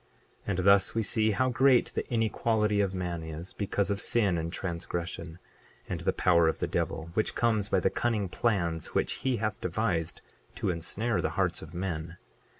28:13 And thus we see how great the inequality of man is because of sin and transgression, and the power of the devil, which comes by the cunning plans which he hath devised to ensnare the hearts of men.